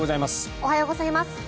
おはようございます。